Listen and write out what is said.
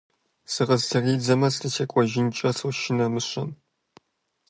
Сыкъызытридзмэ, сытемыкӀуэжынкӀэ сошынэ мыщэм.